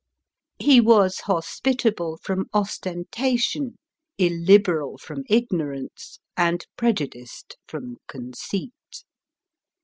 He was hospitable from ostentation, illiberal from ignorance, and prejudiced from conceit.